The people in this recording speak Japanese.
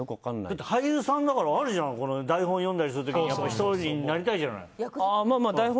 だって俳優さんだから台本を読んだりする時に１人になりたいじゃない。